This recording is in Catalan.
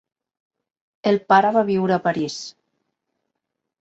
El pare va viure a París.